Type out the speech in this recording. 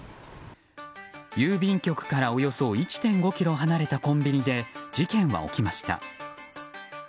郵便局からおよそ１．５ｋｍ離れたコンビニで事件は起きました。